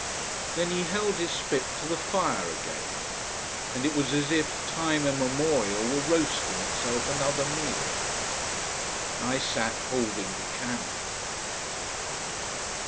Then he held his spit to the fire again. And it was as if time immemorial were roasting itself another meal. I sat holding the candle.